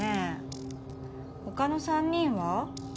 他の３人は？